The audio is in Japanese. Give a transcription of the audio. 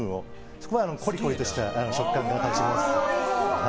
そこはコリコリとした食感が楽しめます。